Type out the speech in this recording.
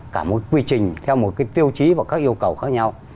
cả một quy trình theo một cái tiêu chí và các yêu cầu khác nhau